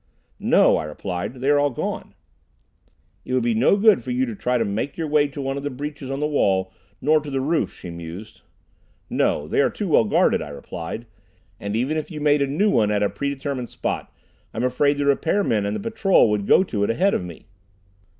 "No," I replied, "they are all gone." "It would be no good for you to try to make your way to one of the breaches in the wall, nor to the roof," she mused. "No, they are too well guarded," I replied, "and even if you made a new one at a predetermined spot I'm afraid the repair men and the patrol would go to it ahead of me."